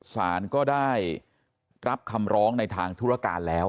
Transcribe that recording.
สารก็ได้รับคำร้องในทางธุรการแล้ว